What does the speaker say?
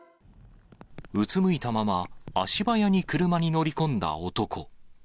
うつむいたまま、足早に車に乗り込んだ男。